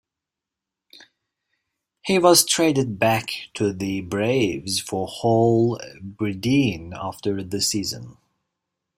He was traded back to the Braves for Hal Breeden after the season.